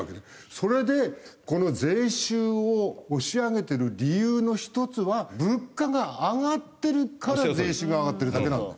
それでこの税収を押し上げてる理由の１つは物価が上がってるから税収が上がってるだけなんだ。